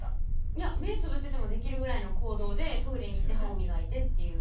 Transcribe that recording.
いや目つぶっててもできるぐらいの行動でトイレに行って歯を磨いてっていう。